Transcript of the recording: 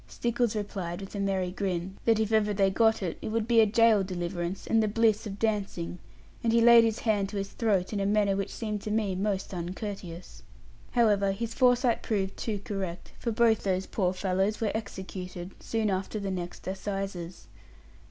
Stickles replied, with a merry grin, that if ever they got it, it would be a jail deliverance, and the bliss of dancing; and he laid his hand to his throat in a manner which seemed to me most uncourteous. However, his foresight proved too correct; for both those poor fellows were executed, soon after the next assizes.